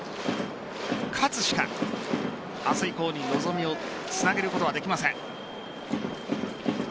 勝つしか明日以降に望みをつなげることはできません。